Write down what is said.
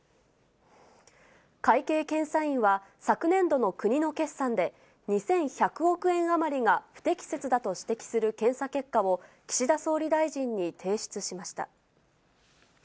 会計検査院は、昨年度の国の決算で、２１００億円余りが不適切だと指摘する検査結果を、岸田総理大臣に提出しました。